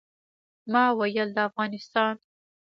ما ویل د افغانستان.